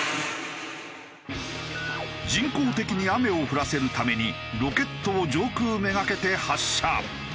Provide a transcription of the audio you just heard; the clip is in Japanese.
人工的に雨を降らせるためにロケットを上空めがけて発射。